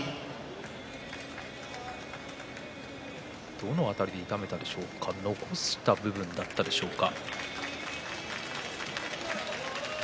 どの辺りで痛めたんでしょうか残したところでしょうか。